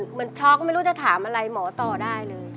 ช็อกไม่รู้จะถามอะไรหมอต่อได้เลย